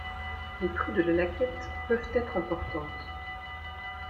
Les crues de la Laquette peuvent être importantes.